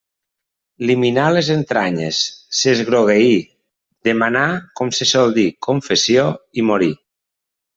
Li minà les entranyes, s'esgrogueí, demanà, com se sol dir, confessió i morí.